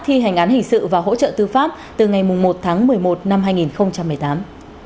thi hành án hình sự và hỗ trợ tư pháp từ ngày một tháng một mươi một năm hai nghìn một mươi tám